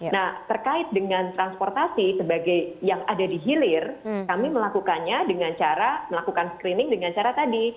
nah terkait dengan transportasi sebagai yang ada di hilir kami melakukannya dengan cara melakukan screening dengan cara tadi